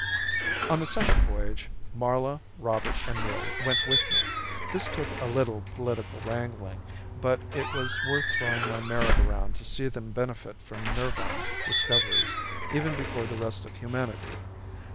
On the second voyage Marla, Robert and Neil went with me. This took a little political wrangling but it was worth throwing my merit around to see them benefit from Nirvan discoveries even before the rest of humanity.